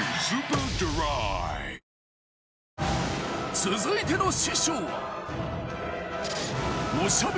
［続いての師匠は］